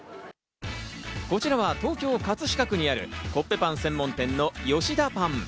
こちらは東京・葛飾区にあるコッペパン専門店の吉田パン。